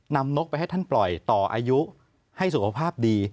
นกไปให้ท่านปล่อยต่ออายุให้สุขภาพดี